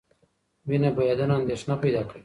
وینه بهېدنه اندېښنه پیدا کوي.